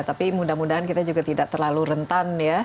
tapi mudah mudahan kita juga tidak terlalu rentan ya